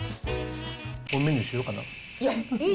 本メニューにしようかな。